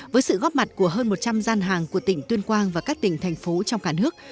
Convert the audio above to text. với sự góp mặt của hơn một trăm linh gian hàng của tỉnh tuyên quang và các tỉnh thành phố trong cả nước